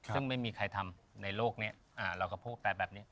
ซึ่งไม่มีใครทำในโลกนี้เราก็พูดไปแบบนี้